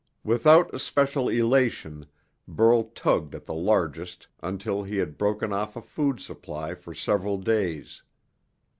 Without especial elation, Burl tugged at the largest until he had broken off a food supply for several days.